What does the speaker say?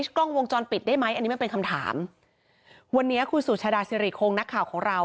กล้องวงจรปิดได้ไหมอันนี้มันเป็นคำถามวันนี้คุณสุชาดาสิริคงนักข่าวของเรา